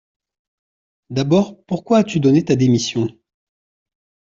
D’abord, pourquoi as-tu donné ta démission ?